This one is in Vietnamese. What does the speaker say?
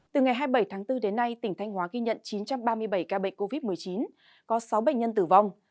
từ ngày hai mươi bảy tháng bốn đến nay tỉnh thanh hóa ghi nhận chín trăm ba mươi bảy ca bệnh covid một mươi chín có sáu bệnh nhân tử vong